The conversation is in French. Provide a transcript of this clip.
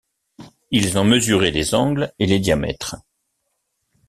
Ils en mesuraient les angles et les diamètres.